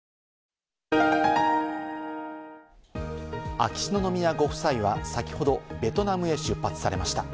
秋篠宮ご夫妻は先ほど、ベトナムへ出発されました。